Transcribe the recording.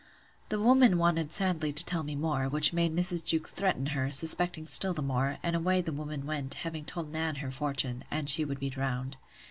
The woman wanted sadly to tell me more, which made Mrs. Jewkes threaten her, suspecting still the more; and away the woman went, having told Nan her fortune, and she would be drowned.